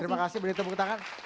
terima kasih berita bukti tangan